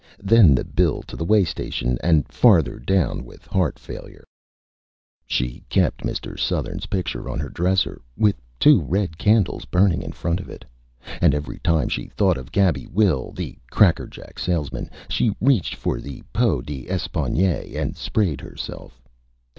Then the Bill to the Way Station, and Father down with Heart Failure. She kept Mr. Sothern's Picture on her Dresser, with two Red Candles burning in front of it, and every time she thought of Gabby Will, the Crackerjack Salesman, she reached for the Peau d'Espagne and sprayed herself.